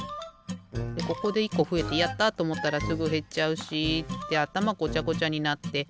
でここで１こふえて「やった！」とおもったらすぐへっちゃうしってあたまごちゃごちゃになってさいご